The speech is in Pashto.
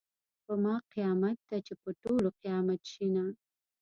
په ما قیامت ده چې په ټولو قیامت شینه .